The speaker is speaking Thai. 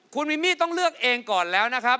คุณมิมี่ต้องเลือกเองก่อนแล้วนะครับ